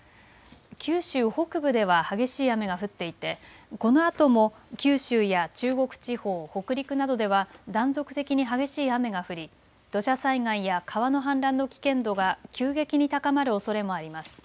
九州北部では激しい雨が降っていてこのあとも九州や中国地方、北陸などでは断続的に激しい雨が降り土砂災害や川の氾濫の危険度が急激に高まるおそれもあります。